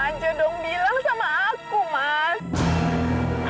mas wisnu jangan dimanjur dong bilang sama aku mas